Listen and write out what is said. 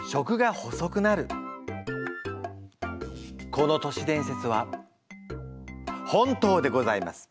この年伝説は本当でございます！